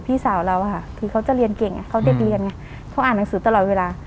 พี่สาวเราอะค่ะคือเขาจะเรียนเก่งไงเขาเด็กเรียนไงเขาอ่านหนังสือตลอดเวลา